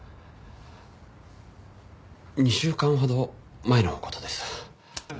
２週間ほど前の事です。